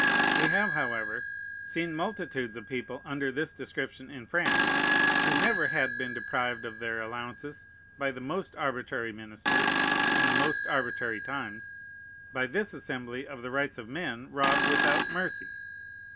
We have, however, seen multitudes of people under this description in France, who never had been deprived of their allowances by the most arbitrary ministers in the most arbitrary times, by this assembly of the rights of men robbed without mercy.